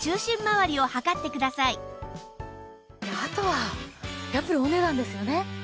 あとはやっぱりお値段ですよね。